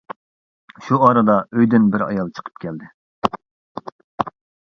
شۇ ئارىدا ئۆيدىن بىر ئايال چىقىپ كەلدى.